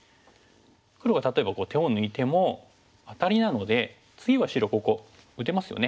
黒が例えば手を抜いてもアタリなので次は白ここ打てますよね。